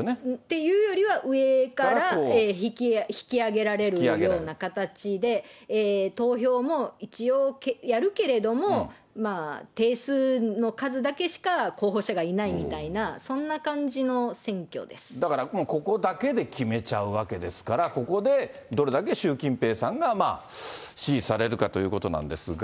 っていうよりは上から引き上げられるような形で、投票も一応やるけれども、定数の数だけしか候補者がいないみたいな、そんなだから、もうここだけで決めちゃうわけですから、ここでどれだけ習近平さんが支持されるかということなんですが。